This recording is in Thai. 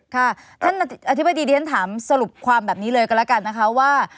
ค่ะท่านอธิบายดีท่านต้องถามสรุปความแบบนี้เลยกันแล้วกันว่า